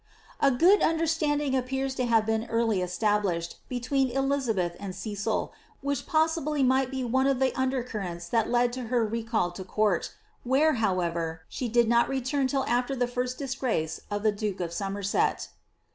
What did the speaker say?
A good understanding appears to have been early established between Elizabeth and Cecil, which possibly might be one of the under currents that led to her recal to court, where, however, she did not return till after the first disgrace of the duke of Somerset.